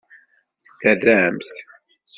Terramt.